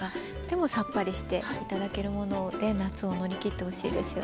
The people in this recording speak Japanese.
でもさっぱりして頂けるもので夏を乗り切ってほしいですよね。